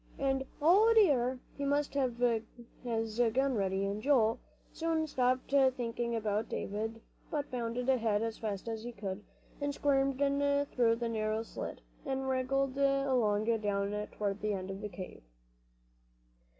and, O dear! he must have his gun ready. And Joel soon stopped thinking about David, but bounded ahead as fast as he could, and squirmed in through the narrow slit, and wriggled along down toward the end of the cave.